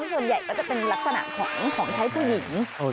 ส่วนใหญ่ก็จะเป็นลักษณะของใช้ผู้หญิง